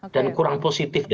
dan kurang positif